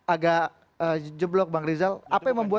agak jeblok bang rizal apa yang membuat